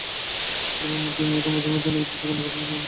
তরলমতি মেয়েরা মাঝে-মাঝে অনেক অদ্ভুত কাণ্ডকারখানা করে বসে।